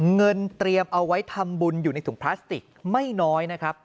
เงินเตรียมเอาไว้ทำบุญอยู่ในถุงพลาสติกไม่น้อยนะครับ